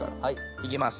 いきます。